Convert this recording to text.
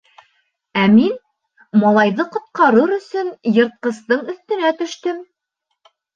Ә мин, малайҙы ҡотҡарыр өсөн, йыртҡыстың өҫтөнә төштөм.